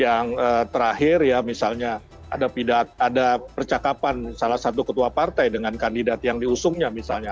yang terakhir ya misalnya ada percakapan salah satu ketua partai dengan kandidat yang diusungnya misalnya